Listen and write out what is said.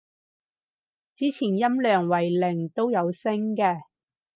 之前音量為零都有聲嘅